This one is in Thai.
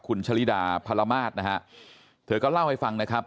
คุณชะลิดาพรมาศนะฮะเธอก็เล่าให้ฟังนะครับ